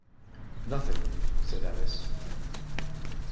‘Nothing,’ said Alice.